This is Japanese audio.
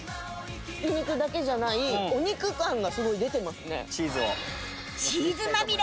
挽き肉だけじゃないお肉感がすごい出てますね。